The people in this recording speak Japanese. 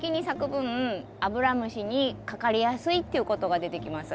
分アブラムシにかかりやすいっていうことが出てきます。